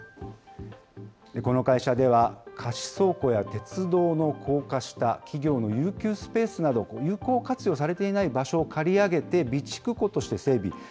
この会社では、貸し倉庫や鉄道の高架下、企業の遊休スペースなど、有効活用されていない場所を借り上げて、備蓄庫として整備。